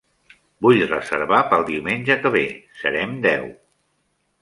Vull reservar pel diumenge que ve. Serem deu.